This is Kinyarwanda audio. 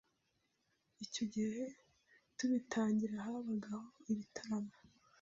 icyo gihe tubitangira habagaho ibitaramo